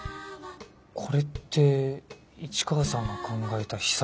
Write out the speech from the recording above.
これって市川さんが考えた秘策ですよね。